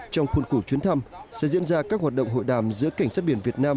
trong khuôn khổ chuyến thăm sẽ diễn ra các hoạt động hội đàm giữa cảnh sát biển việt nam